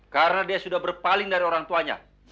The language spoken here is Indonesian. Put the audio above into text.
karena dia sudah berpaling dari orang tuanya